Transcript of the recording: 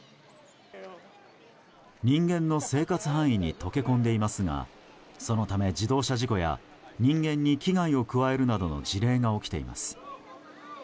人間の生活範囲に溶け込んでいますがそのため、自動車事故や人間に危害を加えるなどの事例が起きています。